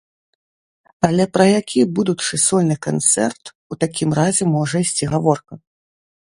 Але пра які будучы сольны канцэрт у такім разе можа ісці гаворка?